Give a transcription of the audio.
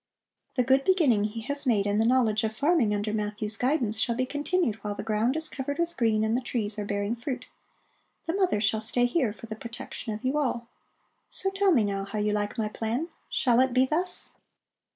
The good beginning he has made in the knowledge of farming under Matthew's guidance shall be continued while the ground is covered with green and the trees are bearing fruit. The mother shall stay here for the protection of you all. So tell me, now, how you like my plan. Shall it be thus?"